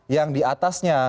yang di atasnya